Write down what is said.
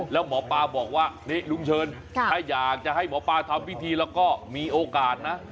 แล้วหมอปลาบอกว่านี่ลุงเชิญถ้าอยากจะให้หมอปลาทำพิธีแล้วก็มีโอกาสนะ